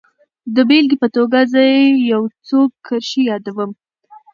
د بېلګې په توګه زه يې يو څو کرښې يادوم.